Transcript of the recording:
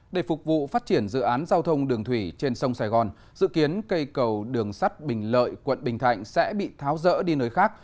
để phục vụ phát triển dự án giao thông đường thủy trên sông sài gòn dự kiến cây cầu đường sắt bình lợi quận bình thạnh sẽ bị tháo rỡ đi nơi khác